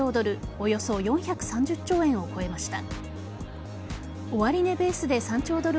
およそ４３０兆円を超えました。